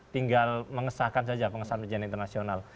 tinggal mengesahkan saja pengesahan perjan internasional